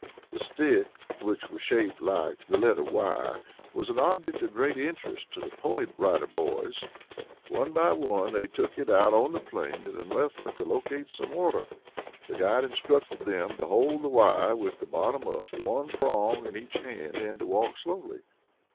The stick, which was shaped like the letter Y, was an object of great interest to the Pony Rider Boys. One by one they took it out on the plain, in an effort to locate some water. The guide instructed them to hold the Y with the bottom up, one prong in each hand and to walk slowly.